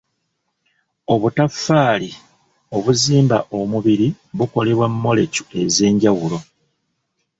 Obutaffaali obuzimba omubiri bukolebwa molekyu ez'enjawulo